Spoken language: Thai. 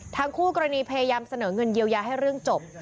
คู่กรณีพยายามเสนอเงินเยียวยาให้เรื่องจบ